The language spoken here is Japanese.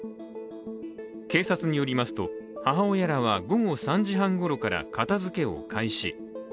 警察によりますと、母親らは午後３時半ごろから片づけを開始。